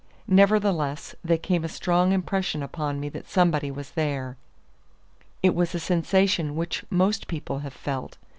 Nevertheless there came a strong impression upon me that somebody was there. It is a sensation which most people have felt.